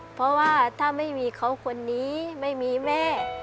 เพราะว่าถ้าไม่มีเขาคนนี้ไม่มีแม่